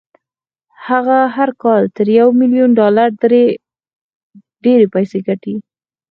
هغه هر کال تر يوه ميليون ډالر ډېرې پيسې ګټي.